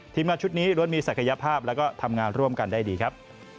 ทีมงานชุดนี้รวดมีศักยภาพและทำงานร่วมกันได้ดีครับ